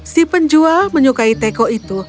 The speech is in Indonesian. si penjual menyukai teko itu